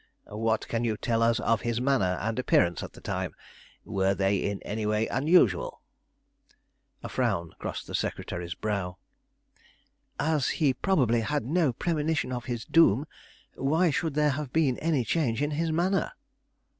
"What can you tell us of his manner and appearance at the time? Were they in any way unusual?" A frown crossed the secretary's brow. "As he probably had no premonition of his doom, why should there have been any change in his manner?"